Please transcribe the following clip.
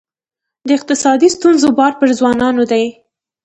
د اقتصادي ستونزو بار پر ځوانانو دی.